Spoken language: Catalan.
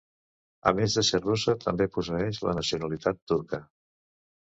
A més de ser russa, també posseeix la nacionalitat turca.